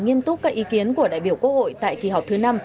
nghiêm túc các ý kiến của đại biểu quốc hội tại kỳ họp thứ năm